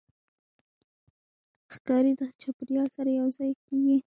ښکاري د چاپېریال سره یوځای کېږي.